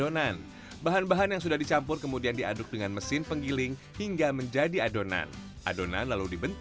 saya akan mengajak keluarga untuk mencoba kembali